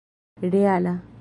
reala